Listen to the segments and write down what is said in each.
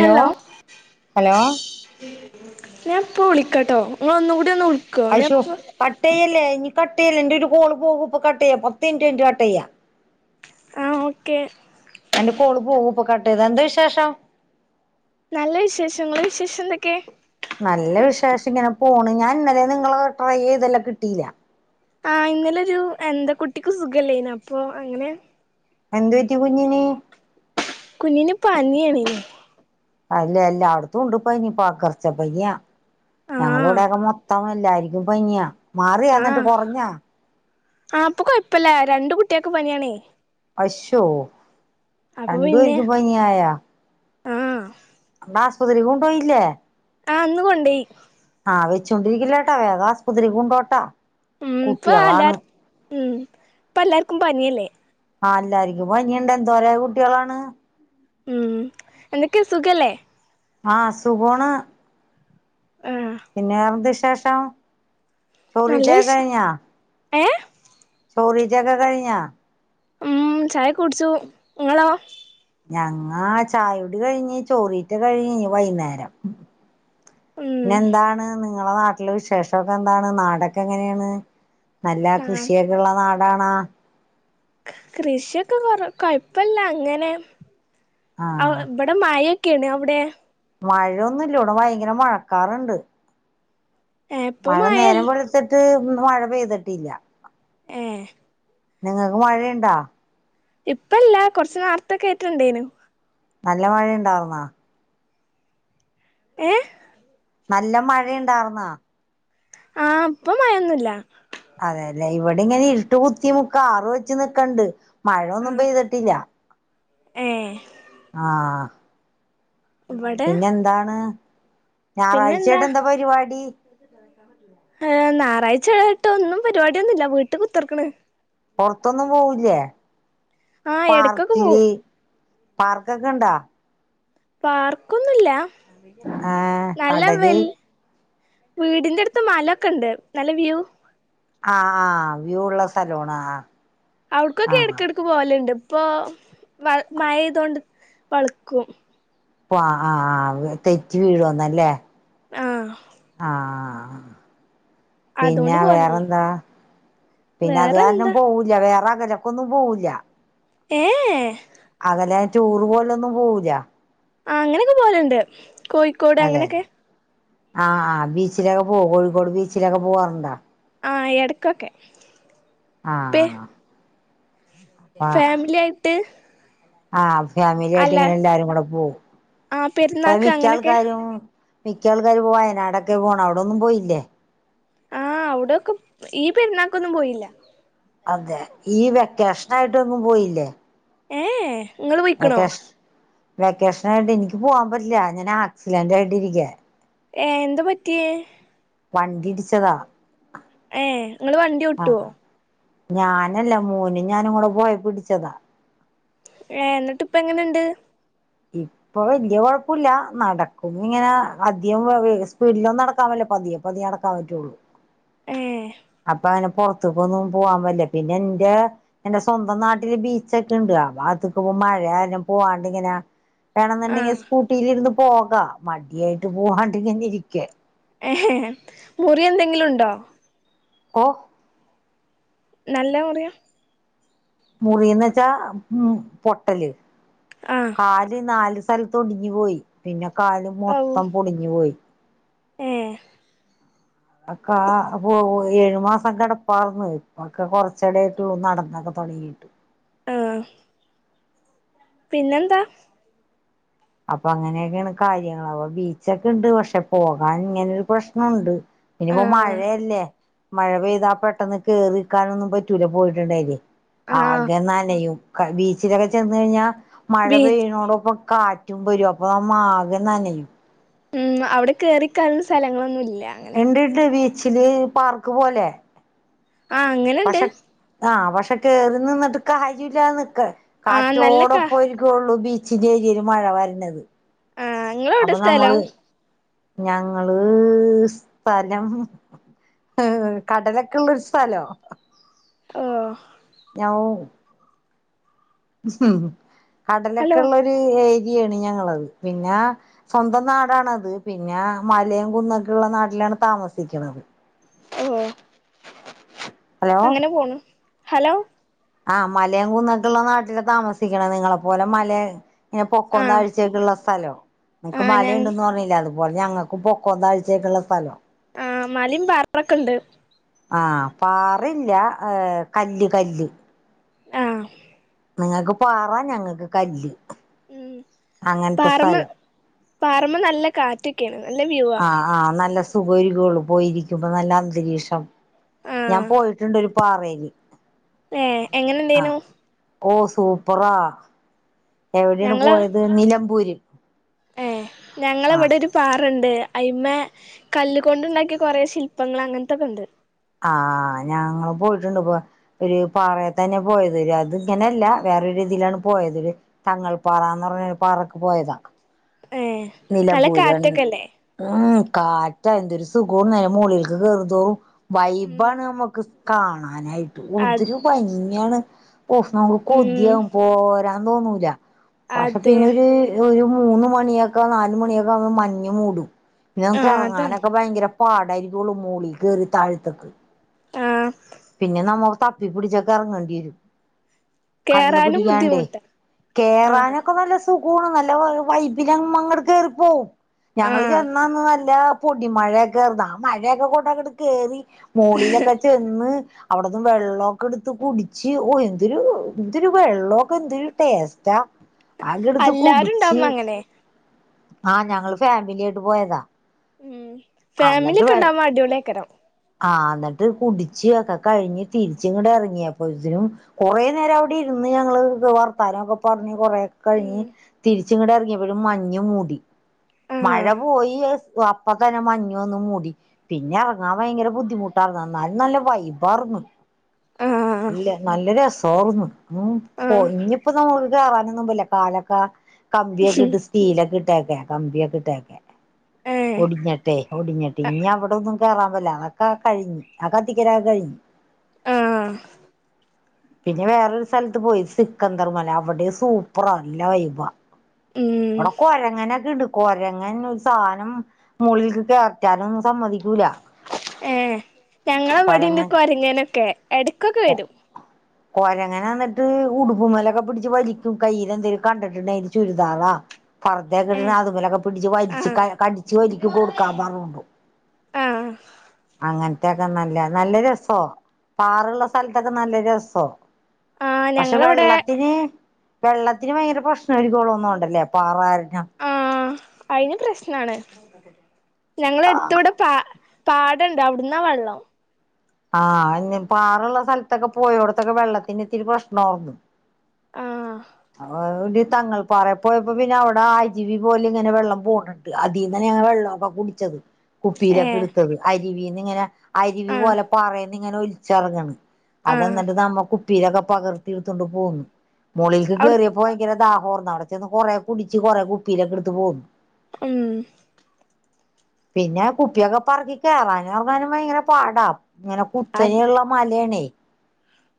hello hello ഞാൻ ഇപ്പോ വിളിക്കാട്ടോ നിങ്ങൾ ഒന്നും കൂടി ഒന്ന് വി അശോ കട്ടെയ്യല്ലേ ഇനി കട്ടെയ്യല്ലേ എന്റെ ഒരു കോള് പോകും ഇപ്പം കട്ടെയ്യാ പത്ത് മിനിറ്റ് കഴിഞ്ഞിട്ട് കട്ടെയ്യാ ആഹ് ഓക്കെ എന്റെ കോള് പോകും ഇപ്പൊ കട്ടെയ്താ എന്താ വിശേഷം നല്ല വിശേഷം ഇങ്ങളെ വിശേഷം എന്തൊക്കെ നല്ല വിശേഷം ഇങ്ങനെ പോണ് ഞാൻ ഇന്നലെ നിങ്ങള് ട്രൈ ചെയ്തെല്ലോ കിട്ടിയില്ല ആഹ് ഇന്നലെ ഒരു എന്താ കുട്ടിക്ക് സുഖയില്ലേന് അപ്പൊ അങ്ങനെ എന്ത് പറ്റി കുഞ്ഞിന് കുഞ്ഞിന് പനിയാണെയ്യ്ന് അല്ല എല്ലാട്ത്തും ഉണ്ട് പനി പകർച്ച പനിയ ആഹ് ഞങ്ങളിവിടേക്ക മൊത്തം എല്ലാരിക്കും പനിയാ മാറിയാ എന്നിട്ട് ആഹ് കൊറഞ്ഞാ ആഹ് ഇപ്പൊ കൊഴപ്പില്ല രണ്ട് കുട്ടിയാക്കും പനിയാണേ അശ്ശോ അപ്പൊ പിന്നെ രണ്ട്പേർക്കും പനിയായ ആഹ് ന്നാ ആസുപത്രിക്ക് കൊണ്ടോയില്ലേ ആഹ് ഇന്ന് കൊണ്ടോയി ആഹ് വെച്ചോണ്ടിരിക്കല്ലേട്ടോ വേകം ആസുപത്രിക്ക് കൊണ്ടോട്ട ഉം ഇപ്പ എല്ലാർ ഉം ഇപ്പ എല്ലാർക്കും പനിയല്ലേ ആഹ് എല്ലാർക്കും പനീണ്ട് എന്തോരം കുട്ടിയാളാണ് ഉം എന്തൊക്കെയാ സുഖല്ലേ ആഹ് സുഖാണ് ആഹ് പിന്നെ വേറെന്ത വിശേഷം നല്ല ചോറീറ്റക്കെ വിശേ കഴിഞ്ഞാ ഏഹ് ചോറീറ്റക്കെ കഴിഞ്ഞാ ഉം ചായൊക്കെ കുടിച്ചു ഇങ്ങളോ ഞങ്ങാ ചായുടി കഴിഞ്ഞ് ചോറീറ്റ കഴിഞ്ഞ് ഇനി വൈകുന്നേരം ഉം പിന്നെ എന്താണ് നിങ്ങളെ നാട്ടില് വിശേഷമൊക്കെ എന്താണ് നാടക്കെ എങ്ങനെയാണ് നല്ല ആ കൃഷിയൊക്കെ ഉള്ള നാടാണാ കൃഷിയൊക്കെ കൊറ കുഴപ്പല്ല അങ്ങനെ ആ ഇവിടെ മഴെ ക്കെണ് അവിടെ മഴയൊന്നുല്ല ഇവിടെ ഭയങ്കര മഴക്കാറുണ്ട് ഏ ഇപ്പൊ മഴ മഴൽ നേരം വെളു ത്തിട്ട് ഇന്ന് മഴ പെയ്തിട്ടില്ല ഏ നിങ്ങൾക്ക് മഴയുണ്ടാ ഇപ്പല്ല കുറച്ച് നാർത്തൊക്കെ ആയിട്ട് ഉണ്ടേയ്നു നല്ല മഴയുണ്ടാർന്നാ ഏഹ് നല്ല മഴയുണ്ടായിർന്നാ ആഹ് ഇപ്പൊ മയൊന്നുല്ല അതെയല്ലേ ഇവിടെ ഇങ്ങനെ ഇരുട്ട് കുത്തി മുക്ക കാറ് വെച്ചു നിക്കണ്ട് മഴൊന്നും ആ പെയ്തിട്ടില്ല ഏ ആഹ് ഇവിടെ പിന്നെന്താണ് ഞായറാഴ്ചായിട്ട് എന്താ പരിപാടി ഏഹ് ഞായറാഴ്ച്ചായിട്ട് ഒന്നും പരിപാടിയൊന്നുല്ല വീട്ട് കുത്തർക്കണ് പൊർത്തൊന്നും പോവുല്ലേ ആ എടക്കൊക്കെ പാർക്കില് പോവും പാർക്കൊക്കെ ഉണ്ടാ പാർക്കൊന്നുല്ല ഏഹ് നല്ല കടല് വൽ വീടിന്റെ അടുത്ത് മലൊക്കെ ഉണ്ട് നല്ല വ്യൂ ആഹ് ആഹ് വ്യൂ ഉള്ള സ്ഥലോണ ആഹ് അവിട്ക്കൊക്കെ ആഹ് ഇടക്കിടക്ക് പോവലുണ്ട് ഇപ്പൊ വ മഴെയ്തൊണ്ട് വൾക്കും ഓഹ് ആഹ് ആഹ് തെറ്റി വീഴോന്നല്ലേ ആഹ് ആഹ് ആഹ് പിന്നെ അതുകൊണ്ട് പോവലില്ല വേറെന്താ പിന്നെ അത് കാരണം വേറെന്താ പോ ല്ല വേറെ അകലൊക്കെ ഒന്നും പോവൂല്ല ഏഹ് അതലെ ടൂറ് പോലൊന്നും പോവില്ല ആഹ് അങ്ങനെയൊക്കെ പോവലുണ്ട് കോയ് അതെല്ലേ ആഹ് ആ് ബീച്ചിലൊക്കെ പോകൂ കോഴിക്കോട് ബീച്ചിലൊക്കെ പോവാറുണ്ടോ ആഹ് എടക്കൊക്കെ ആഹ് അപ്പ ഫാമിലി ആയിട്ട് ആഹ് ഫാമിലിയ ആയിട്ട് അല്ല ഇങ്ങനെ എല്ലാരും കൂടെ പോകും ആ പെരുന്നാക്ക് മിക്ക അങ്ങനെയൊക്കെ ആൾക്കാരും മിക്ക ആൾക്കാരും പോ വയനാടൊക്കെ പോകണം അവിടൊന്നും പോയില്ലേ ആഹ് അവിടെക്കെ ഈ പെരുന്നാക്കൊന്നും പോയില്ല അതെ ഈ വെക്കേഷന ആയിട്ടൊന്നും പോയില്ലേ ഏഹ് വക്കേഷൻ വെക്കേഷൻ ആയിട്ട് എനിക്ക് പോവാൻ പറ്റില്ല ഞാൻ ആക്സിലന്റ് ആയിട്ടി ഇരിക്ക ഏഹ്എന്താ പറ്റിയേ വണ്ടിടിച്ചതാ ഏഹ് നിങ്ങൾ വ ആ ഞാനല്ല മോനും ഞാനു ങ്ങുടെ പോയപ്പോ ഇടിച്ചതാ എന്നിട്ട് ഇപ്പ എങ്ങനെയുണ്ട് ഇപ്പ അപ്പൊ വല്യ കുഴപ്പുല്ല നടക്കും ഇങ്ങനെ അധികം സ്പീഡിലൊന്നും നടക്കാൻ പറ്റില്ല പതിയെ പതിയടക്കാൻ പറ്റുള്ളൂ ഏ അപ്പൊ അങ്ങനെ പൊർത്ത്കൊന്നും പോവാൻ പല്ല പിന്നെ ഇന്റെ എന്റെ സ്വന്തം നാട്ടില് ബീച്ചൊക്കെ ഉണ്ട് അവ അത്ക്ക്‌ പോം മഴയാര്നം പോവാണ്ട് ഇങ്ങനെ ആ വേണെന്നുണ്ടെങ്കിൽ സ്കൂട്ടിലിരുന്ന് പോകാം മടിയായിട്ട് പോവാണ്ട് ഇങ്ങനെ ഇരിക്കേ മുറി എന്തെങ്കിലും ഉണ്ടോ ഓഹ് നല്ല മുറിയ മുറിന്ന് വെച്ചാ പൊട്ടല് ആ കാ ല് നാല് സ്ഥലത്ത് ഒടിഞ്ഞു പോയി പിന്നെ കാല് മൊത്തം പൊടിഞ്ഞു പോയി ഏഹ് അക്കെ അപ്പൊ ഏഴുമാസം കിടപ്പാർന്നു ഇപ്പക്കെ കുറച്ചടയായിട്ടുള്ളൂ നടന്നൊക്കെ തുടങ്ങിട്ട് ആഹ്‌ പിന്നെന്താ അപ്പൊ അങ്ങനെയൊക്കെയാണ് കാര്യങ്ങള അവ ബീച്ചൊക്കെ ഉണ്ട് പക്ഷെ പോകാൻ ഇങ്ങനെരു പ്രശ്നോണ്ട് ആ ഇനിപ്പോ മഴയല്ലേ മഴ പെയ്താൽ പെട്ടെന്ന് കേറിക്കാനൊന്നും പറ്റൂല പോയിട്ടുണ്ടായില്ലേ ആഹ് ആകെ നനയും ക്ക ബീച്ചിലൊക്കെ ചെന്ന് കഴിഞ്ഞാ മഴ ബീച്ച് പെയ്യുന്നോടൊപ്പം കാ റ്റും വരും അപ്പൊ മാകെ നനയും ഉം അവിടെ കയറിക്കാൻ സ്ഥലങ്ങളൊന്നുംല്ല എന്റട്ടിലെ ബീച്ചില് പാർക്ക് പോലെ ആഹ് അങ്ങനെണ്ട് പക്ഷെ ആഹ് പക്ഷെ കേറി നിന്നിട്ട് കാര്യല്ലന്നക്ക് ആഹ് നല്ല കാ കാറ്റോടപ്പയ് ക്കൊള്ളൂ ബീച്ചിന്റെ ഏരിയേല് മഴ വരണത് ആഹ് ഇങ്ങളെവിടെ അപ്പൊ സ്ഥലം നമ്മള് ഞങ്ങള് സ്ഥലം ഏഹ് കടലൊക്കെ ഉള്ളൊരു സ്ഥലോ ആഹ് ഞവൂ കടലൊക്കെ ഹലോ ഉള്ളൊരു ഏരിയയാണ് ഞങ്ങളത് പിന്നെ സ്വന്തം നാടാണത് പിന്നെ മലയം കുന്നൊക്കെള്ള നാട്ടിലാണ് താമസിക്കുന്നത് ഒഹ് ഓഹ് ഹലോ അങ്ങനെ പോണു ഹലോ ആഹ് മലയും കുന്നട്ടുള്ള നാട്ടില് താമസിക്കണ നിങ്ങളെപ്പോലെ മലേ ഇന്നെ ആഹ് പൊക്കൊന്താഴ്ചൊക്കുള്ള സ്ഥലോ നിങ്ങക്ക് ആഹ് ഞ മലയുണ്ടന്ന് പറഞ്ഞില്ല അത് പോലെ ഞങ്ങൾക്ക് പൊക്കൊന്താഴ്ചക്കുള്ള സ്ഥലാ ആഹ് മലിം [unintelligible] [inaudible] ഉണ്ട് ആഹ് പാറില്ല ഏഹ് കല്ല് കല്ല് ആഹ് നിങ്ങക്ക് പാറ ഞങ്ങക്ക് കല്ല് ഉം അങ്ങൻത്തെ സ്ഥലോ പറമേ നല്ല കാറ്റൊക്കെയാണ് നല്ല വ്യൂവാ ആഹ് ആഹ് നല്ല സുഖ ഒയ്കോള്ളു പോയിരിക്കുമ്പൊ നല്ല അന്തരീക്ഷം ഞാൻ ആഹ് പോയിട്ടുണ്ട് ഒരു പാറയില് വേ എങ്ങനെണ്ടേനു ഓഹ് സൂപ്പറാ എവിടെയാണ് ഞങ്ങള് പോയത് നിലമ്പൂരി ഏഹ് ഞങ്ങളിവിടെ ഒരു പാറ്ണ്ട് അയ്മേ കല്ലു കൊണ്ട് ഉണ്ടാക്കിയ കൊറെ ശില്പങ്ങൾ അങ്ങനത്തെക്കെണ്ട് ആഹ് ഞങ്ങള് പോയിട്ടൊണ്ട് ഒരു പാറയ തന്നെ പോയത് ഒരു അത് ഇങ്ങനെയല്ല വേറൊര് രീതിയിലാണ് പോയത് തങ്ങൽപ്പാറാന്ന് പറഞ്ഞ പാറക്ക് പോയതാ ഏഹ് നല്ല നിലമ്പൂരാണ് കാറ്റൊക്കെല്ലേ ഉം കാറ്റാ എന്തൊരു സുഖോണ് നേ മോളിലേക്ക് കേറുംതോറും ഉം വൈബാണ് നമുക്ക് കാണാനായിട്ട് അ ഒതിരു ഭംഗിയാണ് ഹോ ഉം കൊതിയാകും പോരാൻ തോന്നൂല പക്ഷെ അതെ പിന്നൊരു ഒര് മൂന്ന് മണിയക്കെ നാല് മണിയൊക്കെ ആമ്പൊ മഞ്ഞ് മൂടും ആ പിന്നമക്ക് അതാണ് എറങ്ങാനൊക്കെ ഭയങ്കര പാടായിരിക്കൊള്ളൂ മോളി കേറി താഴത്തക്ക് ആ പിന്നെ നമ്മോള് തപ്പിപ്പടിച്ചൊക്കെ എറങ്ങേണ്ടി വരും കണ്ണ് കേറാനും പിടിയാണ്ടേ ബുദ്ധിമുട്ടാ ആ കേറാനൊക്കെ നല്ല സുഖവാണ് നല്ല വൈബിലമ്മങ്ങട് കേറിപ്പോവും ആ ഞങ്ങള് ചെന്നാന്ന് നല്ല പൊടി മഴയക്കേർന്ന് ആ മഴയൊക്കെ കൊണ്ടങ്ങട് കേറി മോളിലൊക്കെ ചെന്ന് അവിടെന്ന് വെള്ളൊക്കെ എടുത്ത് കുടിച്ച് ഓ എന്തൊരു എന്തൊരു വെള്ളോക്കെ എന്തൊരു ടേസ്റ്റാ അതെടുത്ത് എല്ലാരും കുടിച്ച് ഉണ്ടാവുമ്പോ അങ്ങനെ ആഹ് ഞങ്ങള് ഫാമിലിയായിട്ട് പോയതാ ഉം ഫാമിലി അന്ന്ട്ട് ഒക്കെ വെള്ള ഉണ്ടാവുമ്പോ അടിപൊളിയേക്കാരം ആ എന്നിട്ട് കുടിച്ച് ഒക്കെ കഴിഞ്ഞ് തിരിച്ചിങ്ങിട് ഇറങ്ങിയപ്പൊതിനും കൊറേ നേരം അവിടിരുന്ന് ഞങ്ങള് വർത്താനൊക്കെ പറഞ്ഞ് കൊറേക്കെ ഉം കഴിഞ്ഞ് തിരിച്ചിങ്ങട് എറങ്ങിയപ്പോഴും മഞ്ഞ് മൂടി ആ മഴ പോയി അപ്പ തന്നെ മഞ്ഞ് വന്നു മൂടി പിന്നെറങ്ങാൻ ഭയങ്കര ബുദ്ധിമുട്ടാർന്നു എന്നാലും നല്ല വൈബാർന്ന് ആ ഇല്ല നല്ല രസോർന്ന് ഉം ആ പോ ഇഞ്ഞ്പ്പോ നമ്മ കേറാനൊന്നുമ്പോവുല്ല കാലൊക്കെ കമ്പിയൊക്കെ ഇട്ട് സ്റ്റീലൊക്കെ ഇട്ടേക്കെ കമ്പിയൊക്കെ ഇട്ടേക്കെ ഏ ഒടിഞ്ഞട്ടേ ഒടിഞ്ഞട്ട് ഇഞ്ഞി അവിടൊന്നും കേറാൻവല്ല [unintelligible] അവൊക്കെ കഴിഞ്ഞ് അ കത്തിക്ക്ര കഴിഞ് ആഹ് പിന്നെ വേറൊരു സ്ഥലത്ത് പോയി സിക്കന്ദർ മല അവിടെം സൂപ്പറ നല്ല വൈബ ഉം അവിടെ കൊരങ്ങനൊക്കെണ്ട് കൊരങ്ങൻ ഒരു സാധനം മൂളിൽക്ക് കേർറ്റാനൊന്നും സമ്മതിക്കൂല ഏഹ് ഞങ്ങളിവിടെ ഇണ്ട് കൊരങ്ങൻ കൊരങ്ങനൊക്കെ എടക്കൊക്കെ വരും [inaudible] കൊരങ്ങനന്നിട്ട് ഉടുപ്പുമേലൊക്കെ പിടിച്ച് വലിക്കും കയ്യിലെന്തെലും കണ്ടിട്ടുണ്ടെ ചുരിതാളാ പറുദ്ദേത്തേക്കെ ഏ ഇട്ട അതുമലൊക്കെ പിടിച്ച് ആ വലിച്ച് കടിച്ചു വലിക്കും കൊടുക്കാ പാറുമ്പോ ആഹ് അങ്ങനത്തെക്കെ നല്ല നല്ല രസോ പാറ ഉള്ള സ്ഥലത്തൊക്കെ നല്ല രസോ ആ പക്ഷെ ഞങ്ങളവിടെ വെള്ളത്തിന് വെള്ളത്തിന് ഭയങ്കര പ്രശ്നമായിരികും [unintelligible] ലെപാറ കാരണം ആഹ് അയ്ന് പ്രശ്നാണ് ഞങ്ങളെ ആഹ് എട്ത്തിവിടെ ക കാട്ണ്ട് അവിട്ന്നാ വെള്ളം ആഹ് ന്നി പാറള്ള സ്ഥലത്തൊക്കെ പോയോടത്തൊക്കെ വെള്ളത്തിന് ഇത്തിരി പ്രശ്നമാകും ആഹ് ഒരു തങ്ങൾപ്പാറേ പോയപ്പോ പിന്നെ അവിടെ അരുവി പോലെ ഇങ്ങനെ വെള്ളം പോന്നുണ്ട് അതീന്നന് ഞങ്ങ വെള്ളവൊക്കെ കുടിച്ചത് കുപ്പീലെക്കെ ഏഹ് എടുത്തത് അരുവീന്ന്ങ്ങനെ അരുവി ആഹ് പോലെ പാറേന്ന് ഇങ്ങനെ ഒലിച്ചിറങ്ങണ് അത് ആഹ് എന്നിട്ട് നമ്മകുപ്പിയിലൊക്കെ പകർത്തി എടുത്തോണ്ട് പോന്നു മോളിലേക്കു അവി കേറിയ ഭയങ്കര ദാഹർന്നു അവിടെച്ചെന്നു കുറേ കുടിച്ച് കുറെ കുപ്പിയിലൊക്കെ എടുത്ത് പോന്നു ഉം പിന്നെ കുപ്പിയൊക്കെ പെറുക്കി കേറാനും ഇറങ്ങാനും ഭയങ്കര പാടാ ഇങ്ങനെ അത് കുത്തനെയുള്ള മലയാണേ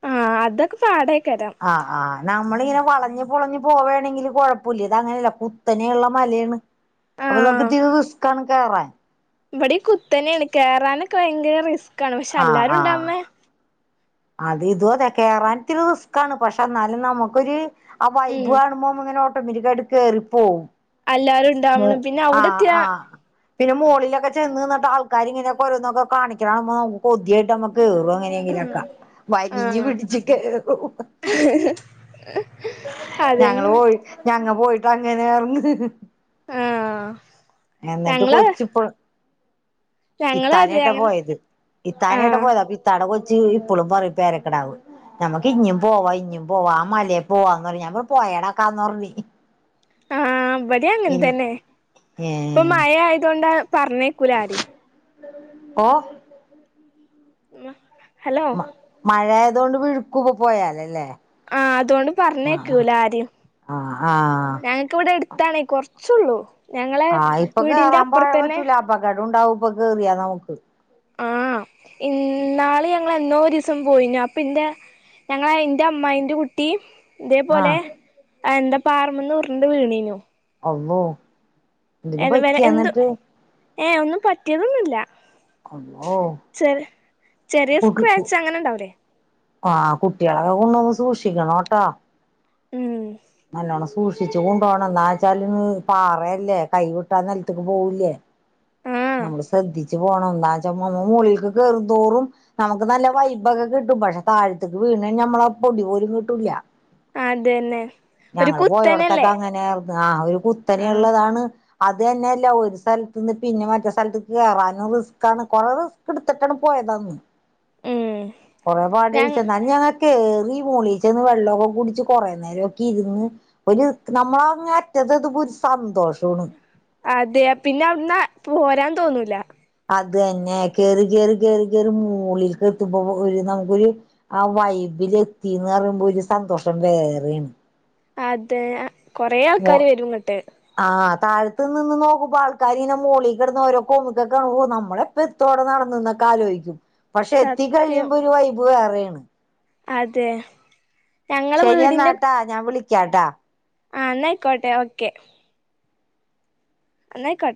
ആഹ് അതൊക്കെ പാടേക്കാരം ആഹ് ആനമ്മളിങ്ങനെ വളഞ്ഞ് പൊളഞ്ഞു പോവുകയാണെങ്കിൽ കുഴപ്പമില്ല ഇത് അങ്ങനെയല്ല കുത്തനെയു ള്ള മലയാണ് അപ്പൊ നമുക്ക് ഇത്തിരി റിസ്ക്കാണ് കേയറാൻ ഇവിടെ കുത്തന്നെയാണ് കേയറാനൊക്കെ ഭയങ്കര റിസ്കാണ് പക്ഷെ ആഹ് എല്ലാരും ആഹ് ഉണ്ടാവുബോൾ അത് ഇത് അതെ കേറാൻ ഇത്തിരി റിസ്ക്കാണ് പക്ഷെ എന്നാലും നമുക്കൊരു ആ വൈബ് ഉം കാണുമ്പോം ഇങ്ങനെ ഓട്ടമിറ്റിക്കായി കയറിപ്പോവും എല്ലാരും മോ ഉണ്ടാവണം പിന്നെ അവിടെ ആഹ് എത്തിയാ ആഹ പിന്നെ മുകളിലൊക്കെ ചെന്ന്നിന്നിട്ട് ആൾക്കാരിങ്ങനെ ഓരോന്നൊക്കെ കാണിക്കണ കാണുമ്പോ കൊതിയായിട്ട് നമ്മക്ക് കേറി ഉം നോക്കാം വലിഞ്ഞു ആഹ് പിടിച്ചു കേറും അതന്നെ ഞങ്ങള് പോ ഞങ്ങള് പോയിട്ട് അങ്ങനെയാര്ന്നു ന്ന് ആഹ് എന്നിട്ട് ഞങ്ങള് കൊച്ച് ഇപ്പൊ ഞങ്ങള് അതെ ഇത്താനേട്ടാ അങ്ങനെ പോയത് ഇത്താനായിട്ട ആഹ് പോയത അപ്പൊ ഇത്താടെ കൊച്ച് ഇപ്പോളും പറയും പേരകിടാവ് നമുക്ക് ഇഞ്ഞും പോവാ ഇഞ്ഞും പോവാ ആ മലയിൽ പോവാന്ന് പറഞ്ഞെ പോയത് പോയെടെക്കാ ന്ന്‌ പറഞ്ഞ് ആഹ് ഇവിടെ അങ്ങനെ ഇനി തന്നെ ഇപ്പൊ ഏ മഴ ആയതൊണ്ട് പറഞ്ഞേക്കൂല ആരേം ഓ ഹലോ മഴയായതുകൊണ്ട് വിഴുക്കുംഒക്കെ പോയല്ലോ അല്ലേ ആഹ അതുകൊണ്ട് പറഞ്ഞേക്കൂല ആരും ആ ആ ഞാൻ ഇവിടെ എടുത്താണേ കൊറച്ചുള്ളൂ ഞങ്ങളെ ആ ഇപ്പൊ വീടിന്റെ കേറാൻ പോ അപ്പുറത്ത തന്നെ പറ്റൂല അപകടം ഉണ്ടാവും ഇപ്പൊക്ക് കേയറിയാ നമുക്ക് ആഹ് ഇന്നാളി ഞങ്ങള് എന്നോ ഒരു ദിവസം പോയിന്നു അപ്പൊ ഇന്റെ ഞങ്ങളെ എന്റെ അമ്മായിന്റെ കുട്ടി ട്ടീം ആ ഇതേപോലെ എന്താ പാറമന്ന് ഉരുണ്ടു വീണീന്നു അള്ളോ എന്തെങ്കിലും പറ്റിയോ എന്ത് എന്നിട്ട് ഏഹ് ഒന്നും പറ്റിയതൊന്നുമില്ല അള്ളോ ചെ ചെറിയ സ്ക്രാച്ച് അങ്ങനെ ഉണ്ടാവല്ലേ ആഹ് കുട്ടികളൊക്കെ കൊണ്ടുപോവുമ്പം സൂക്ഷിക്കണട്ടോ ഉം നല്ലോണം സൂക്ഷിച്ച് കൊണ്ട് പോണം എന്നാചാല് പാറയല്ലേ കൈവിട്ടാ നിലത്തേക്ക് പോകൂല്ലേ ആഹ് നമ്മള് ശ്രദ്ധിച്ചു പോണം എന്താന്ന് വെച്ച നമ്മൾ മോളിക്ക് കയറും തോറും നമുക്ക് നല്ല വൈബൊക്കെ കിട്ടും പക്ഷെ താഴത്തേക്ക് വീണ് കഴിഞ്ഞാൽ നമ്മളെ പൊടി പോലും കിട്ടൂല അതന്നെ ഒരു ഞങ്ങള് പോയോടുത്തൊക്കെ കുത്തനല്ലേ അങ്ങനെ ആയിരുന്നു ഒരു ആഹ് കുത്തനെള്ളതാണ് അത് തന്നെയല്ല ഒരു സ്ഥലത്ത് നിന്ന് പിന്നെ മറ്റേ സ്ഥലത്ത് കേറാനും റിസ്ക്കാണ് കൊറേ റിസ്ക് കിടുത്തിട്ടാണ് പോയതാന്ന് ഉം കൊറേ ഞങ്ങ പാടോയിച്ച്ന്നാലുംഞങ്ങൾ കേറി മോളീ ചെ ന്ന് വെള്ളമൊക്കെ കുടിച്ച് കുറെ നേരം ഒക്കെ ഇരുന്ന് ഒരു നമ്മള അങ്ങാറ്റത്ത് എത്തുമ്പോഒരു സന്തോഷാണ് അതെ പിന്നെ അന്ന്‌ പോരാൻ തോന്നൂല അത് തന്നെ കേറി കേറി കേറി കേറി മോളിക്ക് എത്തുമ്പോ ഒരു നമുക്കൊരു ആ വൈബ്‌ലെത്തീന്ന് പറയ്മ്പാെ ഒര് സന്തോഷം വേറേണ് അതേ അ കൊറേ മോ ആൾക്കാര് വെരുംങ്ങെട്ട് ആഹ് താഴത്ത് നിന്ന് നോക്കുമ്പാെ ആൾക്കാരിങ്ങെനെ മോളീ കെടെന്ന് ഓരോ കോമുക്കെക്കാണുമ്പൊ നമ്മളെ ത്തോടെ നടന്ന്ന്നൊക്കെ ആലോയ്ക്ക്യും പക്ഷെ സത്യം എത്തിക്കഴിയുമ്പാെരു വൈബ് വേറേണ് അതെ ഞങ്ങളെ ശരിയെന്നാട്ടാ ഞാം വിളിക്ക്യാട്ടാ ആഹ് ന്നയ്ക്കോട്ടെ ഓക്കെ ന്നയ്ക്കോ